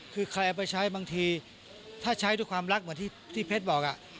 คือใครเอาไปใช้บางทีถ้าใช้ด้วยความรักเหมือนที่เพชรบอก